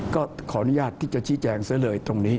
ก็ขออนุญาตที่จะชี้แจงซะเลยตรงนี้